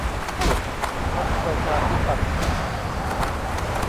พรรคประชาธิปัตย์